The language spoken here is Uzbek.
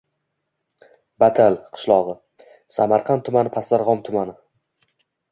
Batal – q., Samarqand tumani pastdarg‘om tumani.